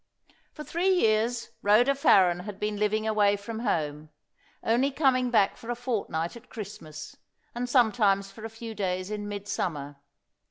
For three years Rhoda Farren had been living away from home, only coming back for a fortnight at Christmas, and sometimes for a few days in midsummer.